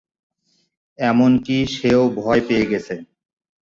এমনকি সে-ও ভয় পেয়ে গেছে।